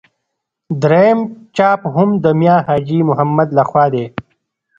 درېیم چاپ هم د میا حاجي محمد له خوا دی.